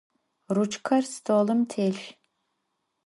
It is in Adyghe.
Ruçker stolım têlh.